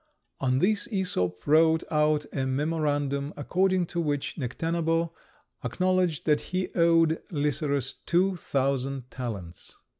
On this Æsop wrote out a memorandum, according to which Necténabo acknowledged that he owed Lycerus two thousand talents.